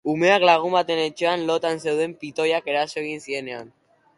Umeak lagun baten etxean lotan zeuden pitoiak eraso egin zienean.